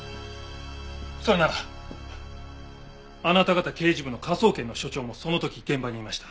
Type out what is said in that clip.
それならあなた方刑事部の科捜研の所長もその時現場にいました。